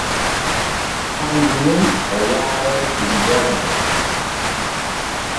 Handu nun o yaare sirborde.